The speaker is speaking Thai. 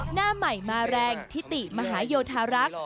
หน้าใหม่มาแรงทิติมหาโยธารักษ์